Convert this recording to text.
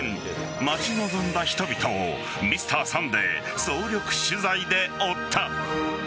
待ち望んだ人々を「Ｍｒ．サンデー」総力取材で追った。